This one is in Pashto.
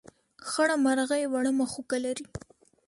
خړه مرغۍ وړه مښوکه لري.